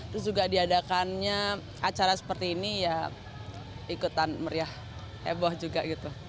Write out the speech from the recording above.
terus juga diadakannya acara seperti ini ya ikutan meriah heboh juga gitu